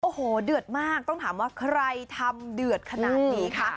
โอ้โหเดือดมากต้องถามว่าใครทำเดือดขนาดนี้คะ